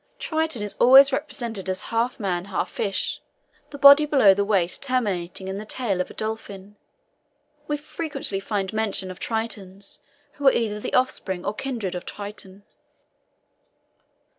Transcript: Triton is always represented as half man, half fish, the body below the waist terminating in the tail of a dolphin. We frequently find mention of Tritons who are either the offspring or kindred of Triton.